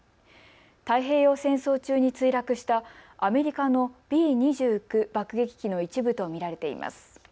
太平洋戦争中に墜落したアメリカのＢ２９爆撃機の一部と見られています。